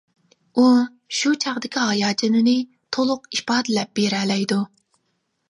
ئۇ شۇ چاغدىكى ھاياجىنىنى تولۇق ئىپادىلەپ بېرەلەيدۇ.